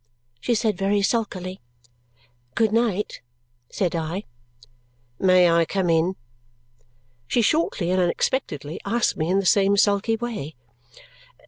she said very sulkily. "Good night!" said I. "May I come in?" she shortly and unexpectedly asked me in the same sulky way.